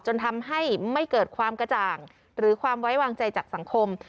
จนทำให้ไม่เกิดความกระจ่างหรือความไว้วางใจจากสังคม